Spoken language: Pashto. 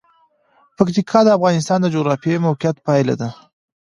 پکتیکا د افغانستان د جغرافیایي موقیعت پایله ده.